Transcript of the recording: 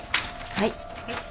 はい。